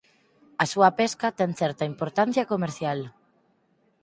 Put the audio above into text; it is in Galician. A súa pesca ten certa importancia comercial.